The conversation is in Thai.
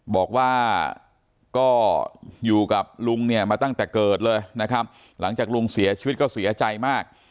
บอกว่าก็อยู่กับลุงเนี่ยมาตั้งแต่เกิดเลยนะครับหลังจากลุงเสียชีวิตก็เสียใจมาก